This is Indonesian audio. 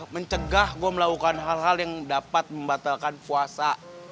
mencegah gue melakukan hal hal yang dapat membatalkan puasa